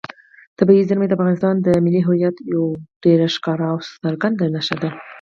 طبیعي زیرمې د افغانستان د ملي هویت یوه ډېره ښکاره او څرګنده نښه ده.